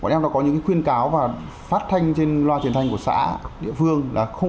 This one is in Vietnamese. bọn em đã có những khuyên cáo và phát thanh trên loa truyền thanh của xã địa phương